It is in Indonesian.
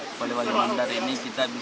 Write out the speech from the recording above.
di polewali mandar ini kita berkumpul